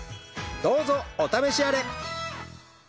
どうぞお試しあれ！